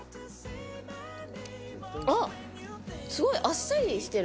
あっ、すごいあっさりしてる。